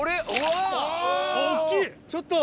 ちょっと！